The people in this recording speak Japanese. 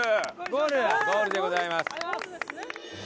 ゴールでございます。